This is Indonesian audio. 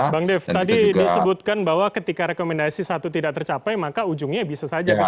bang dev tadi disebutkan bahwa ketika rekomendasi satu tidak tercapai maka ujungnya bisa saja bisa